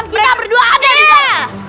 temen kita berdua ada di dalam